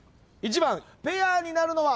ペアになるのは？